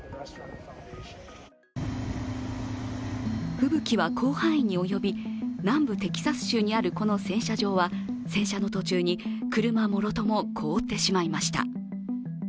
吹雪は広範囲に及び南部テキサス州にあるこの洗車場は洗車の途中に車もろとも凍ってしまいました。